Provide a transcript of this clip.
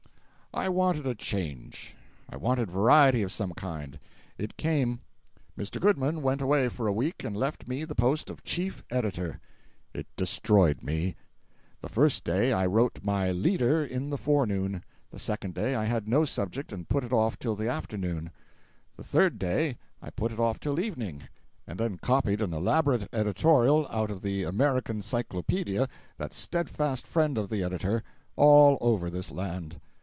I wanted a change. I wanted variety of some kind. It came. Mr. Goodman went away for a week and left me the post of chief editor. It destroyed me. The first day, I wrote my "leader" in the forenoon. The second day, I had no subject and put it off till the afternoon. The third day I put it off till evening, and then copied an elaborate editorial out of the "American Cyclopedia," that steadfast friend of the editor, all over this land.